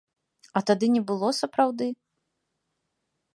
А тады не было сапраўды.